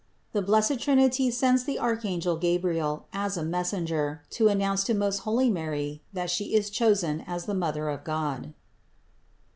THE BLESSED TRINITY SENDS THE ARCHANGEL GABRIEL AS A MESSENGER TO ANNOUNCE TO MOST HOLY MARY THAT SHE IS CHOSEN AS THE MOTHER OF GOD.